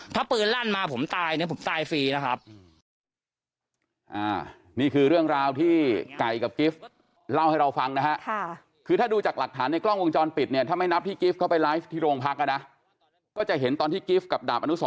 ถ้าปืนลั่นมาผมตายเนี่ยผมตายฟรีนะครับ